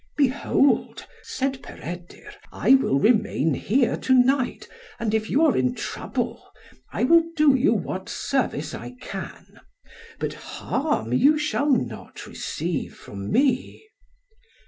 "Behold," said Peredur, "I will remain here to night, and if you are in trouble, I will do you what service I can; but harm shall you not receive from me."